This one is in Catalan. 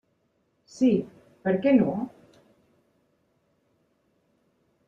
Sí, per què no?